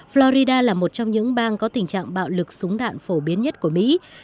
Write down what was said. florida là một trong những bang có tình trạng bạo lực súng đạn phổ biến nhất của mỹ